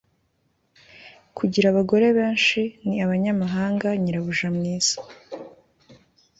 kugira abagore benshi ni abanyamahanga; nyirabuja mwiza